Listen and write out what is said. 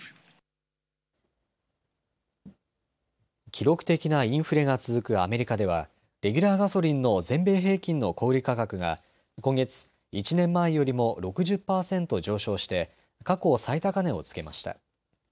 記録的なインフレが続くアメリカではレギュラーガソリンの全米平均の小売価格が今月、１年前よりも６０％上昇して過去最高値をつけました。